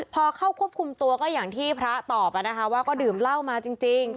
พอเข้าควบคุมตัวก็อย่างที่พระตอบนะคะว่าก็ดื่มเหล้ามาจริง